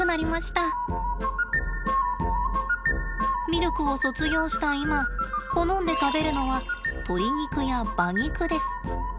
ミルクを卒業した今好んで食べるのは鶏肉や馬肉です。